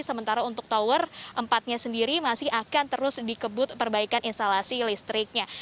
sementara untuk tower empat nya sendiri masih akan terus dikebut perbaikan instalasi listriknya